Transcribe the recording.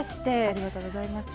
ありがとうございます。